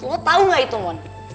anda tahu ya man